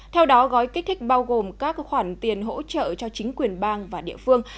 theo đó gói kích thích bao gồm các khoản tiền hỗ trợ cho chính quyền bang và địa phương